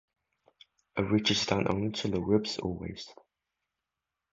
It reaches down only to the ribs or waist.